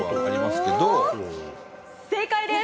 正解です。